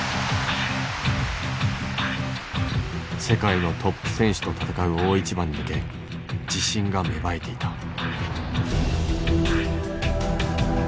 世界のトップ選手と戦う大一番に向け自信が芽生えていた。